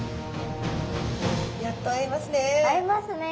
やっと会えますね。